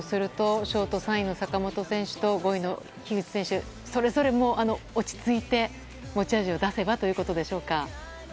ショート３位の坂本選手と５位の樋口選手それぞれ落ち着いて、持ち味を出せばということでしょうか。